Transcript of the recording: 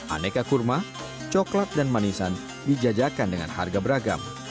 aneka kurma coklat dan manisan dijajakan dengan harga beragam